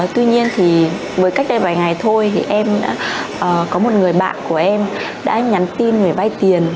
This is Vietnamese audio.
tuy nhiên thì với cách đây vài ngày thôi thì em đã có một người bạn của em đã nhắn tin về vay tiền